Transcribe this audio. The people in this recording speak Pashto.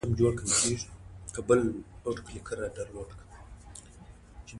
د سفر له لارې یې د نړۍ جغرافیه او فرهنګ وښود.